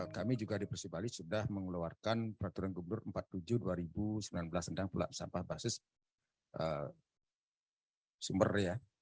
kami juga di provinsi bali sudah mengeluarkan peraturan gubernur empat puluh tujuh dua ribu sembilan belas sedang pula sampah basis sumber